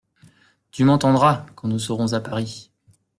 Tu m'entendras, quand nous serons à Paris.